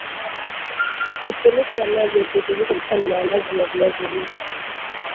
nusulita ya maji yatahitajika kukandia maandazi ya viazi lishe